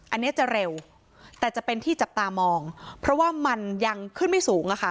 อันนี้จะเร็วแต่จะเป็นที่จับตามองเพราะว่ามันยังขึ้นไม่สูงอะค่ะ